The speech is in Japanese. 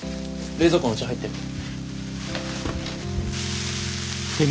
冷蔵庫にお茶入ってる。